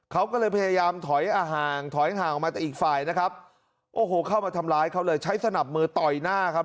เขาก็เลยพยายามถอยอ่าห่างถอยห่างออกมาแต่อีกฝ่ายนะครับโอ้โหเข้ามาทำร้ายเขาเลยใช้สนับมือต่อยหน้าครับ